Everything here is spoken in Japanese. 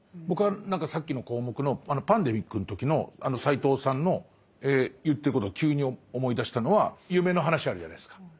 僕は何かさっきの項目のパンデミックの時の斎藤さんの言ってること急に思い出したのは夢の話あるじゃないですか。